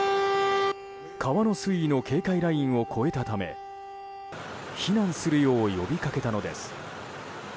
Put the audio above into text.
川の水位の警戒ラインを越えたため避難するよう呼びかけたのです。